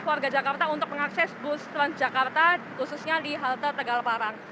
warga jakarta untuk mengakses bus transjakarta khususnya di halte tegal parang